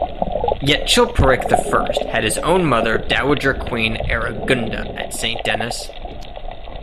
Yet Chilperic the First had his own mother Dowager Queen Aregunda at Saint Denis.